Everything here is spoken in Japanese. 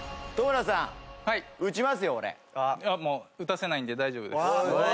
打たせないんで大丈夫です。